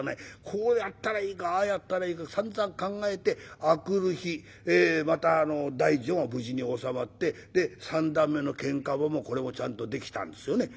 こうやったらいいかああやったらいいかさんざん考えて明くる日また大序は無事に収まってで三段目の喧嘩場もこれもちゃんとできたんですよね。